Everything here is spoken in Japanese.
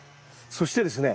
そしてですね